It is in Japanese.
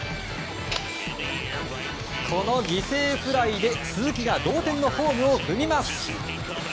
この犠牲フライで鈴木が同点のホームを踏みます。